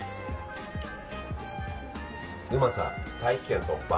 うまさ大気圏突破！